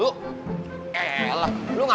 sekarang salam mam